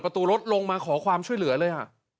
ประตูรถลงมาขอความช่วยเหลือเลย